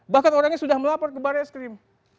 bahkan orangnya sudah melapor ke barreskrim